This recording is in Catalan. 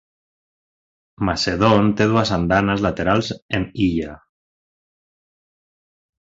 Macedon té dues andanes laterals en illa.